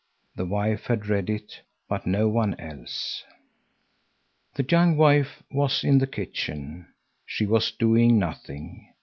The wife had read it, but no one else. The young wife was in the kitchen. She was doing nothing.